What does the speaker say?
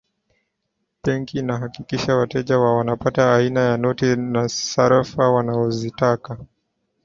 benki inahakikisha wateja wa wanapata aina ya noti na sarafu wanazotaka